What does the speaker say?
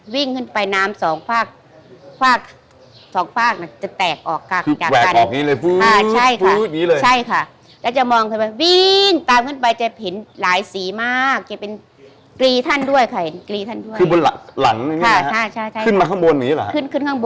วิ่งขึ้นไปน้ำสองภาคจะแตกออกฆาตแพรง